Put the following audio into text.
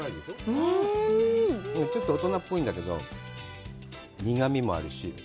ちょっと大人っぽいんだけど、苦みもあるし。